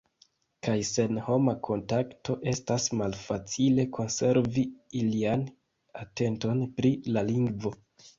Kaj sen homa kontakto, estas malfacile konservi ilian atenton pri la lingvo.